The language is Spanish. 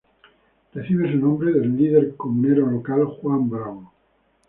Recibe su nombre del líder comunero local Juan Bravo.